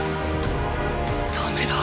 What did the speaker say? ダメだ！